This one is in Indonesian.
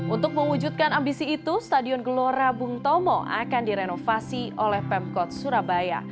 untuk mewujudkan ambisi itu stadion gelora bung tomo akan direnovasi oleh pemkot surabaya